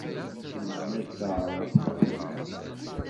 Yesselmad taɛṛabt.